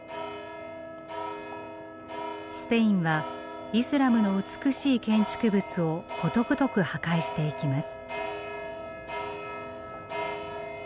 スペインはイスラムの美しい建築物をことごとく破壊していきます。